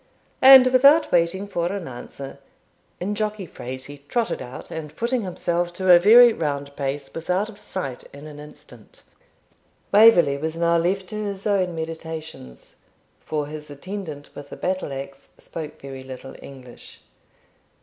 And without waiting for an answer, in jockey phrase, he trotted out, and putting himself to a very round pace, was out of sight in an instant. Waverley was now left to his own meditations, for his attendant with the battle axe spoke very little English.